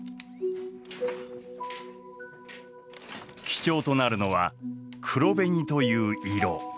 基調となるのは黒紅という色。